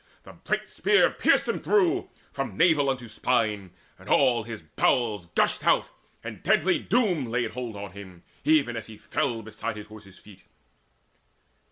The bright spear pierced him through From navel unto spine, and all his bowels Gushed out, and deadly Doom laid hold on him Even as he fell beside his horse's feet.